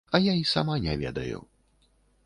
А я і сама не ведаю.